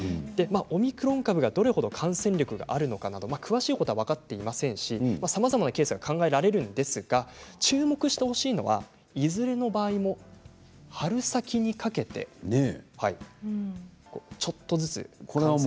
オミクロン株がどれほどの感染力があるのかまだ分からない段階なのでさまざまなケースが考えられるんですが注目してほしいのはいずれの場合も春先にかけてちょっとずつ。